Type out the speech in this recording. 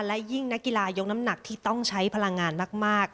และยิ่งนักกีฬายกน้ำหนักที่ต้องใช้พลังงานมาก